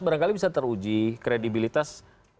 barangkali bisa teruji kredibilitas